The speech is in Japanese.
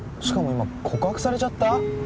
しかも今告白されちゃった？